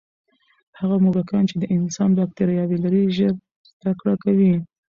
هغه موږکان چې د انسان باکټرياوې لري، ژر زده کړه کوي.